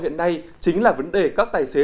hiện nay chính là vấn đề các tài xế